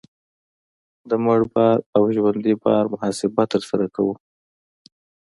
د مړ بار او ژوندي بار محاسبه ترسره کوو